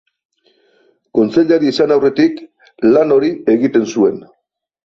Kontseilari izan aurretik lan hori egiten zuen.